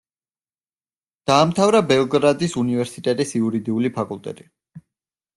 დაამთავრა ბელგრადის უნივერსიტეტის იურიდიული ფაკულტეტი.